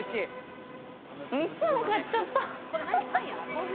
３つも買っちゃった。